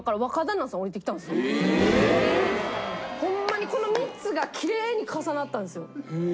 ホンマにこの３つがキレイに重なったんですよ。